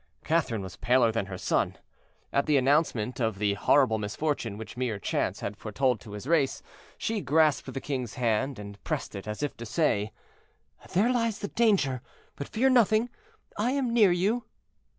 Catherine was paler than her son. At the announcement of the horrible misfortune which mere chance had foretold to his race, she grasped the king's hand, and pressed it, as if to say— "There lies the danger; but fear nothing, I am near you."